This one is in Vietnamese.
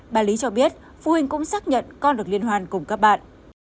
bà lý cho biết phụ huynh cũng xác nhận con được liên hoan cùng các bạn